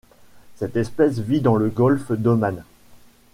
Cette espèce vit dans le golfe d'Oman.